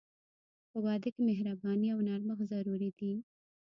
په واده کې مهرباني او نرمښت ضروري دي.